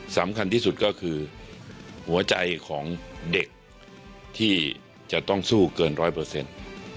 สำคัญที่สุดก็คือหัวใจของเด็กที่จะต้องสู้เกินร้อยเปอร์เซ็นต์